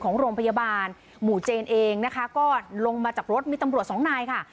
ของโรงพยาบาลหมู่เจนเองนะคะก็ลงมาจากรถมีตำรวจสองนายค่ะ